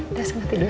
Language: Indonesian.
udah sama tidur